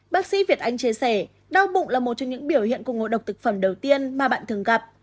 bác sĩ việt anh chia sẻ đau bụng là một trong những biểu hiện của ngộ độc thực phẩm đầu tiên mà bạn thường gặp